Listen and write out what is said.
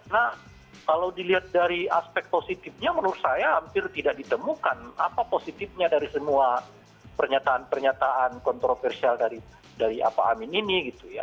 nah kalau dilihat dari aspek positifnya menurut saya hampir tidak ditemukan apa positifnya dari semua pernyataan pernyataan kontroversial dari pak amin ini gitu ya